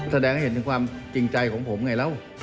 แสดงให้เห็นถึงความจริงใจของผมไงแล้ว